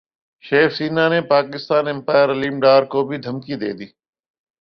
شیو سینا نے پاکستان امپائر علیم ڈار کو بھی دھمکی دے دی